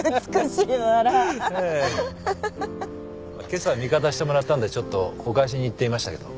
けさ味方してもらったんでちょっとお返しに言ってみましたけど。